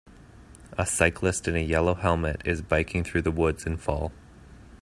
A cyclist in a yellow helmet is biking through the woods in fall.